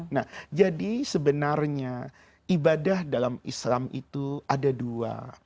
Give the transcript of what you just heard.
nah jadi sebenarnya ibadah dalam islam itu ada dua